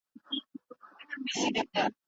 او ما د یوې تېرې زلزلې له پستو پسلړزو خوند واخیست،